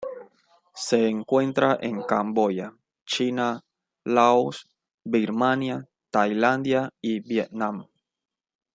Se encuentra en Camboya, China, Laos, Birmania, Tailandia y Vietnam.